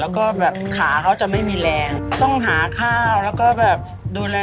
ทำทุกอย่างนี่คือหน้าที่คุณแม่